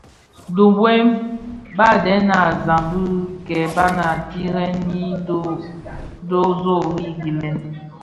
Dhibuem, badèna a zam dhi kèba a tyèn nyi dhorozi gilèn.